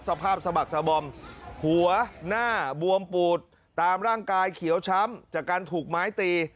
สภาพสะบักสะบอมหัวหน้าบวมปูดตามร่างกายเขียวช้ำจากการถูกไม้ตี